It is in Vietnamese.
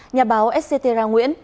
nhà báo etcetera nguyễn